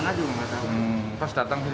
jika dapat membayar ratusan juta rupiah